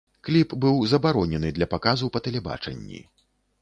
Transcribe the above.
Кліп быў забаронены для паказу па тэлебачанні.